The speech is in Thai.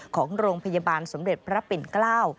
ของโรงพยาบาลสมเด็จพระปิ่นเกล้า